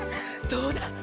どうだ！